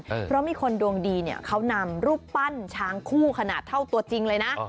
เพราะมีคนดวงดีเนี่ยเขานำรูปปั้นช้างคู่ขนาดเท่าตัวจริงเลยนะ